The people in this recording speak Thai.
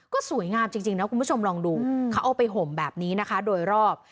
ก็สวยงามจริงนะคุณผู้ชมลองดูเขาเอาไปห่มแบบนี้นะคะโดยรอบ